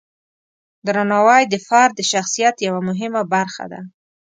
درناوی د فرد د شخصیت یوه مهمه برخه ده.